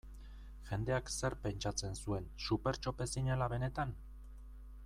Jendeak zer pentsatzen zuen, Supertxope zinela benetan?